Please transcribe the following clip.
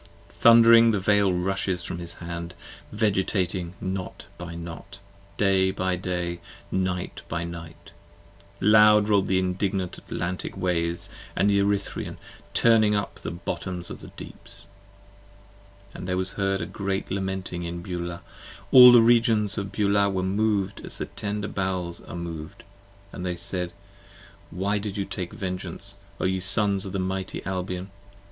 26 Thund'ring the Veil rushes from his hand, Vegetating Knot by Knot, Day by Day, Night by Night: loud roll the indignant Atlantic 63 Waves & the Erythrean, turning up the bottoms of the Deeps. p. 25 AND there was heard a great lamenting in Beulah: all the Regions Of Beulah were moved as the tender bowels are moved: & they said: Why did you take Vengeance, O ye Sons of the mighty Albion?